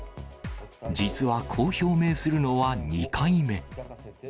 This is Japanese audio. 実はこう表明するのは２回目。